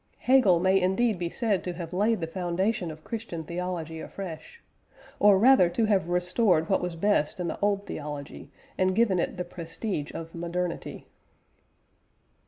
Hegel may indeed be said to have laid the foundation of Christian theology afresh; or rather to have restored what was best in the old theology, and given it the prestige of modernity.